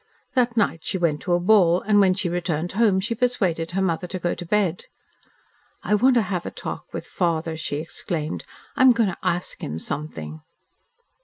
That night she went to a ball, and when she returned home, she persuaded her mother to go to bed. "I want to have a talk with father," she exclaimed. "I am going to ask him something."